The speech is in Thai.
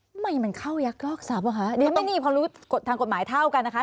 ทำไมมันเข้ายักยอกทรัพย์อะคะดิฉันไม่นี่พอรู้กฎทางกฎหมายเท่ากันนะคะ